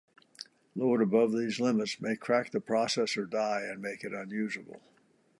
Load above those limits may crack the processor die and make it unusable.